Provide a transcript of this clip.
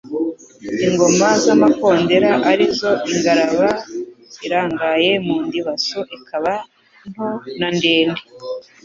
Ingoma z'amakondera arizo Ingaraba irangaye mu ndibaso ikaba nto na ndende